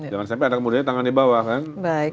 jangan sampai anak mudanya tangan di bawah kan